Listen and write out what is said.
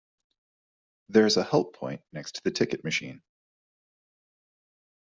There is a Help Point next to the Ticket Machine.